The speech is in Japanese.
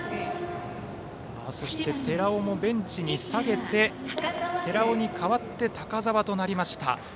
そして寺尾をベンチに下げて寺尾に代わって高澤となりました。